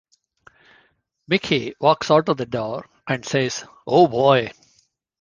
Mickey walks out the door and says, Oh boy!